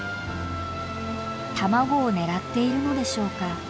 卵を狙っているのでしょうか？